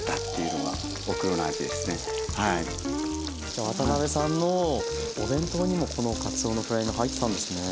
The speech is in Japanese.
じゃあ渡辺さんのお弁当にもこのかつおのフライが入ってたんですね。